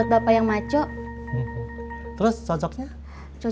terima kasih ya bu